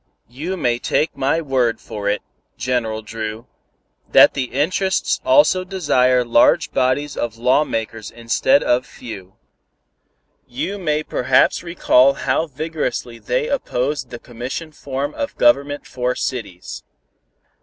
"You may take my word for it, General Dru, that the interests also desire large bodies of law makers instead of few. You may perhaps recall how vigorously they opposed the commission form of government for cities.